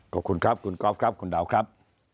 ขอบคุณครับคุณก๊อฟครับคุณดาวครับ